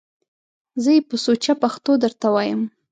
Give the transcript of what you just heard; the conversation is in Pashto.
زه یې په سوچه پښتو درته وایم!